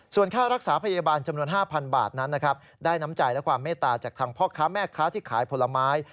ส่วนค่ารักษาพยาบาลจำนวน๕๐๐บาทนั้นนะครับได้น้ำใจและความเมตตาจากทางพ่อค้าแม่ค้าที่ขายผลไม้